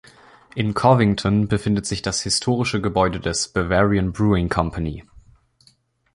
In Covington befindet sich das historische Gebäude des "Bavarian Brewing Company".